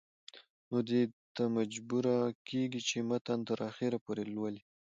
نو دې ته مجبوره کيږي چې متن تر اخره پورې لولي